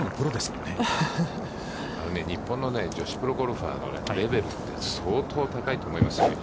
あのね、日本の女子プロゴルファーのレベルって、相当高いと思いますね。